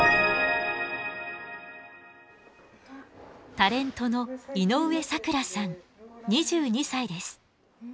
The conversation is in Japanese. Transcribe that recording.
タレントの井上咲楽さん２２歳です。